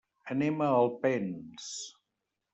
Anem a Alpens.